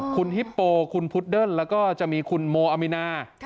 คุณฮิปโปคุณพุดเดิ้ลแล้วก็จะมีคุณโมอามินา